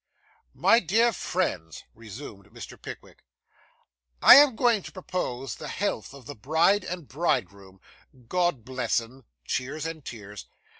'My dear friends,' resumed Mr. Pickwick, 'I am going to propose the health of the bride and bridegroom God bless 'em (cheers and tears).